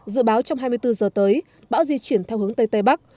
dự báo trong hai mươi bốn giờ tới bão di chuyển theo hướng tây tây bắc